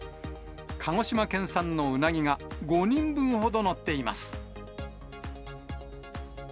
鹿児島県産のウナギが、５人分ほど載っています。